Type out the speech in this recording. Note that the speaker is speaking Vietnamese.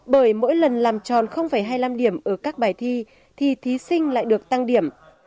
bởi mỗi lần làm tròn hai mươi năm điểm ở các bài thi thì thí sinh lại được tăng điểm